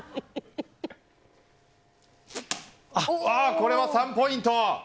これは３ポイント。